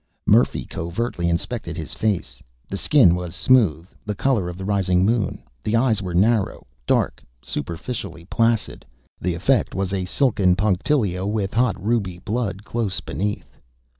Murphy covertly inspected his face. The skin was smooth, the color of the rising moon; the eyes were narrow, dark, superficially placid. The effect was of silken punctilio with hot ruby blood close beneath.